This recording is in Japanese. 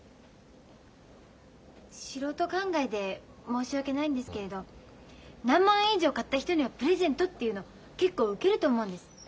素人考えで申し訳ないんですけれど何万円以上買った人にはプレゼントっていうの結構受けると思うんです。